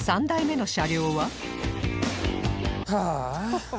３台目の車両は？はあ。